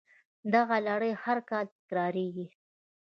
دغه لړۍ هر کال تکراریږي